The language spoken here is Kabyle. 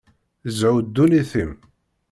Zhu dunnit-im.